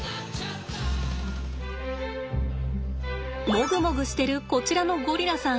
モグモグしてるこちらのゴリラさん。